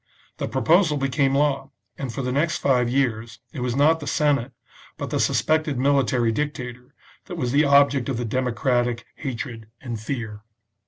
The proposal became law, and for the next five years it was not the Senate, but the suspected military dictator, that was the object of the democratic hatred and fear.